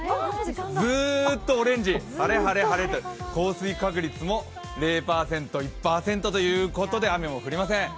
ずーっとオレンジ、晴れ、晴れ、晴れ降水確率も０％、１％ということで雨も降りません。